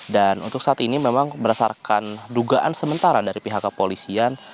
dan untuk saat ini memang berdasarkan dugaan sementara dari pihak kepolisian